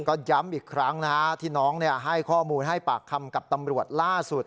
ก็ย้ำอีกครั้งนะฮะที่น้องให้ข้อมูลให้ปากคำกับตำรวจล่าสุด